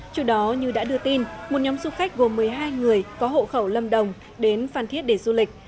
trước đó như đã đưa tin một nhóm du khách gồm một mươi hai người có hộ khẩu lâm đồng đến phan thiết để du lịch